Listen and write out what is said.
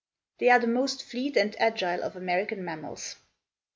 They are the most fleet and agile of American mammals.